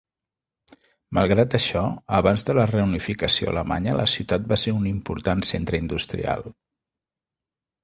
Malgrat això, abans de la reunificació alemanya la ciutat va ser un important centre industrial.